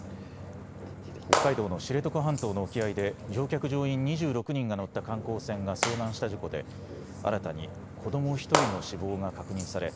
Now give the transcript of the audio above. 北海道の知床半島の沖合で乗客・乗員２６人が乗った観光船が遭難した事故で新たに子ども１人の死亡が確認され